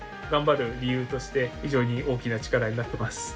頑張る理由として非常に大きな力になってます。